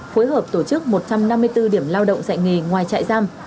phối hợp tổ chức một trăm năm mươi bốn điểm lao động dạy nghề ngoài chạy giam